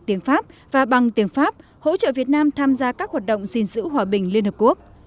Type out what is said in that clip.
tiếng pháp và bằng tiếng pháp hỗ trợ việt nam tham gia các hoạt động xin giữ hòa bình liên hợp quốc